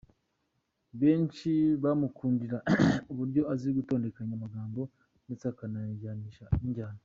Benshi bamukundira uburyo azi gutondekanya amagambo ndetse akanajyanisha n’injyana.